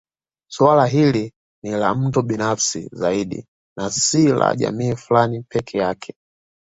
Suala hili ni la mtu binafsi zaidi na si la jamii fulani peke yake